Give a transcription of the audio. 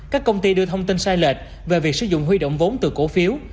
các công ty đưa thông tin sai lệch về việc sử dụng huy động vốn từ cổ phiếu